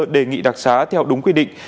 đề nghị đặc sản theo đúng quy định